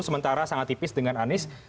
sementara sangat tipis dengan anies